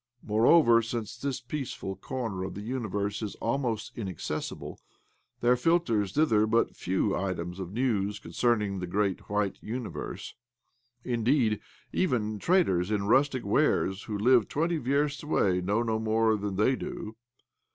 Moreover, since this peaceful corner of the universe is almost inaccessible, there filters thither but few items of news concerning the great white universe. I Indeed, even traders in rustic wares who live twenty versts away know no more than they do.